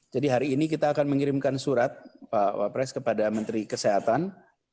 jadi hari ini kita akan mengirimkan surat pak wapres kepada menteri kesehatan